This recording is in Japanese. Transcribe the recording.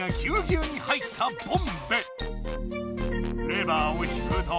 レバーを引くと？